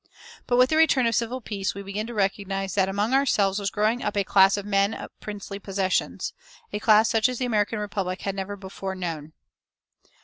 "[359:2] But with the return of civil peace we began to recognize that among ourselves was growing up a class of "men of princely possessions" a class such as the American Republic never before had known.